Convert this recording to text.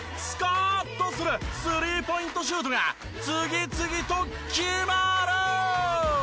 スカーッとする３ポイントシュートが次々と決まる！